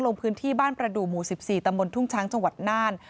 ลงพื้นที่บ้านประดูกหมู่๑๔ตำบลทุ่งช้างจังหวัดน่าน